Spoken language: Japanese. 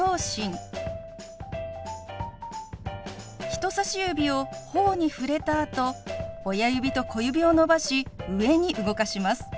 人さし指をほおに触れたあと親指と小指を伸ばし上に動かします。